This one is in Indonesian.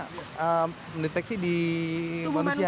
karena mendeteksi di manusia